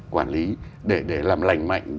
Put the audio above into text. quản lý để làm lành mạnh